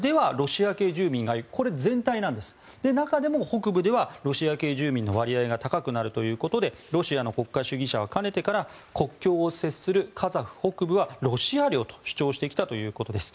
中でも北部ではロシア系住民の割合が高くなるということでロシアの国家主義者はかねてから国境を接するカザフ北部はロシア領と主張してきたということです。